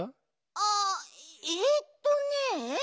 あえっとね。